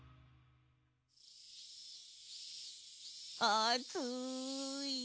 あつい。